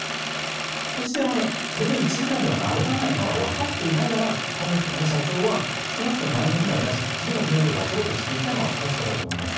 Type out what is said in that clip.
そして、当然１時間では直らないのは分かっていながら社長は少なくとも前の船は出すし次の船も出そうとしていたのは確かだと思います。